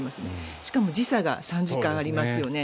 しかも、時差が３時間ありますよね。